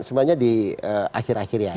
semuanya di akhir akhir ya